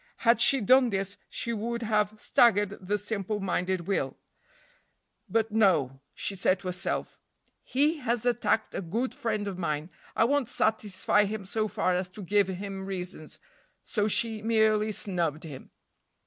Had she done this, she would have staggered the simple minded Will; but no; she said to herself, "He has attacked a good friend of mine, I won't satisfy him so far as to give him reasons;" so she merely snubbed him.